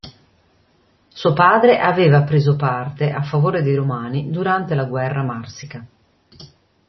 Suo padre aveva preso parte a favore dei romani durante la guerra Marsica.